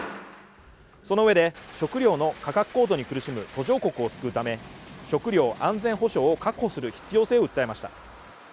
そのうえで食料の価格高騰に苦しむ途上国を救うため食料安全保障を確保する必要性を訴えました。